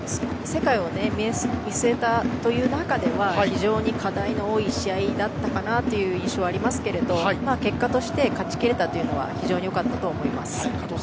世界を見据えた中では非常に課題の多い試合だったかなという印象はありますが結果として勝ちきれたのは非常に良かったと思います。